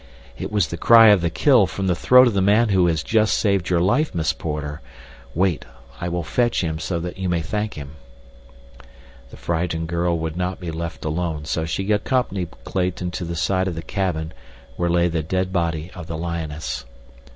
"It was the cry of the kill from the throat of the man who has just saved your life, Miss Porter. Wait, I will fetch him so you may thank him." The frightened girl would not be left alone, so she accompanied Clayton to the side of the cabin where lay the dead body of the lioness.